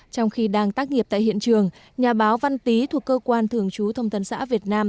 trong khi đang tác nghiệp tại hiện trường nhà báo văn tý thuộc cơ quan thường trú thông tấn xã việt nam